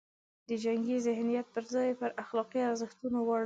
د جنګي ذهنیت پر ځای یې پر اخلاقي ارزښتونو واړوي.